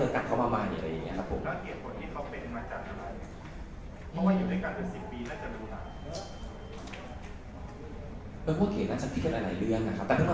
เอิร์กเก๋เขียว